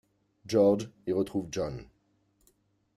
George y retrouve Jon.